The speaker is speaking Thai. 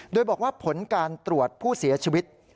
โดยบอกว่าผลการตรวจผู้เสียชีวิต